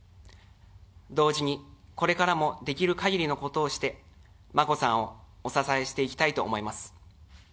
同時に、これからもできるかぎりのことをして、眞子さんをお支えしていきたいと思います。